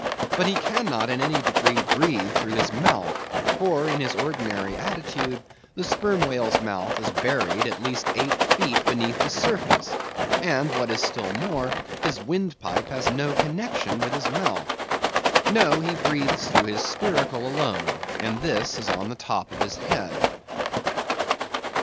But he cannot in any degree breathe through his mouth, for, in his ordinary attitude, the Sperm Whale's mouth is buried at least eight feet beneath the surface; and what is still more, his windpipe has no connexion with his mouth. No, he breathes through his spiracle alone; and this is on the top of his head.